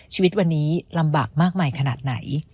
ชีวิตวันนี้ลำบากมากมายขนาดไหน